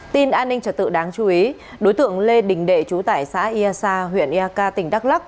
tin an ninh trật tự đáng chú ý đối tượng lê đình đệ chú tải xã ia sa huyện ia ca tỉnh đắk lắc